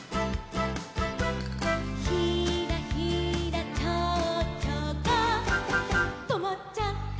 「ひらひらちょうちょがとまっちゃった」